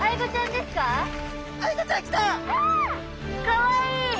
かわいい！